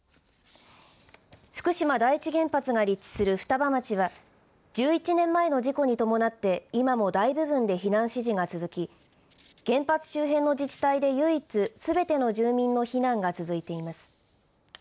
福島第一原発が立地する双葉町は１１年前の事故に伴って今も大部分で避難指示が続き原発周辺の自治体で唯一すべての住民の避難が続いています。